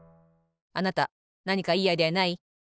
あなたなにかいいアイデアない？